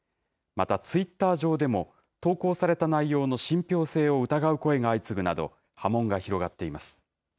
また、ツイッター上でも、投稿された内容の信ぴょう性を疑う声が相次ぐなど、波紋が広がっています。